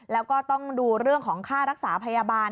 แล้วก็ต้องดูเรื่องของค่ารักษาพยาบาล